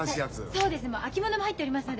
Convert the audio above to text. そうですねもう秋物も入っておりますので。